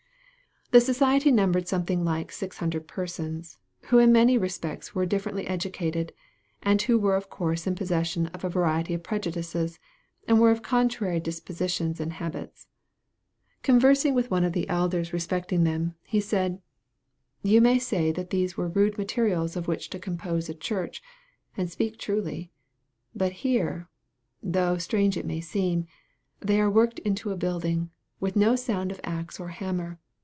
This society numbered something like six hundred persons, who in many respects were differently educated, and who were of course in possession of a variety of prejudices, and were of contrary dispositions and habits. Conversing with one of their elders respecting them, he said, "You may say that these were rude materials of which to compose a church, and speak truly: but here (though strange it may seem) they are worked into a building, with no sound of axe or hammer.